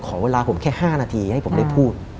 ขอเวลาผมแค่๕นาทีให้ผมได้พูด